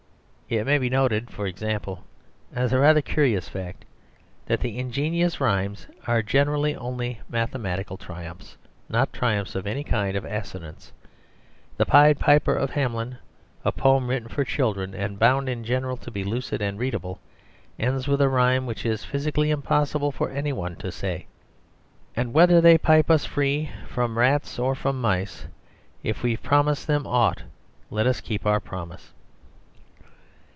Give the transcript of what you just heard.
It may be noted, for example, as a rather curious fact, that the ingenious rhymes are generally only mathematical triumphs, not triumphs of any kind of assonance. "The Pied Piper of Hamelin," a poem written for children, and bound in general to be lucid and readable, ends with a rhyme which it is physically impossible for any one to say: "And, whether they pipe us free, fróm rats or fróm mice, If we've promised them aught, let us keep our promise!"